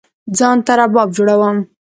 ځان ته رباب جوړوم